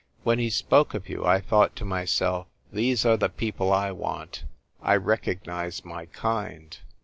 When he spoke of you, I thought to myself, ' These are the people I want. I recognise my kind.